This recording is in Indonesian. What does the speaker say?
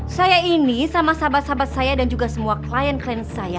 saya ini sama sahabat sahabat saya dan juga semua klien klien saya